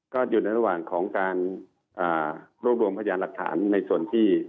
ก็อยู่ในระหว่างของการรวบรวมพยานหลักฐานในส่วนที่